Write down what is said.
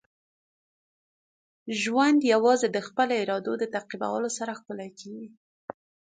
ژوند یوازې د خپلو ارادو د تعقیب سره ښکلی کیږي.